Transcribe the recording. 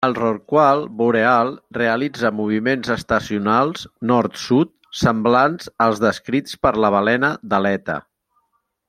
El rorqual boreal realitza moviments estacionals nord-sud semblants als descrits per la balena d'aleta.